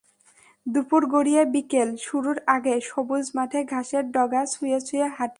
দুপুর গড়িয়ে বিকেল শুরুর আগে সবুজ মাঠে ঘাসের ডগা ছুঁয়ে ছুঁয়ে হাঁটি।